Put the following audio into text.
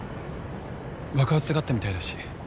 爆発があったみたいだし